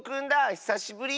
ひさしぶり。